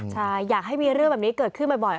ใช่อยากให้มีเรื่องแบบนี้เกิดขึ้นบ่อย